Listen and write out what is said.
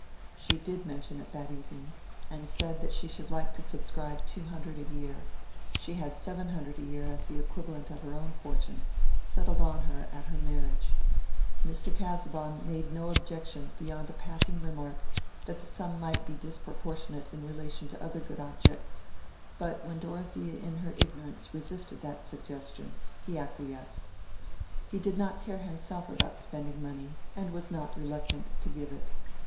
She did mention it that evening, and said that she should like to subscribe two hundred a year—she had seven hundred a year as the equivalent of her own fortune, settled on her at her marriage. Mr. Casaubon made no objection beyond a passing remark that the sum might be disproportionate in relation to other good objects, but when Dorothea in her ignorance resisted that suggestion, he acquiesced. He did not care himself about spending money, and was not reluctant to give it.